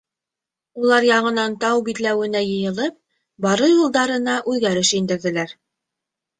Улар яңынан тау битләүенә йыйылып, барыр юлдарына үҙгәреш индерҙеләр.